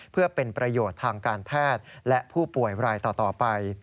เพื่อเป็นประโยชน์ทางการแพทย์และผู้ป่วยรายต่อไป